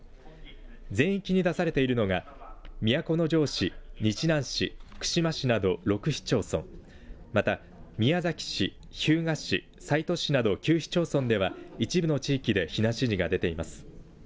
全域に出されているのが都城市、日南市、串間市など６市町村、また宮崎市、日向市、西都市など９市町村では一部の地域で避難指示が出ています。